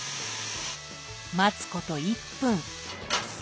待つこと１分。